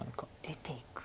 出ていく。